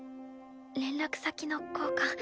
連絡先の交換。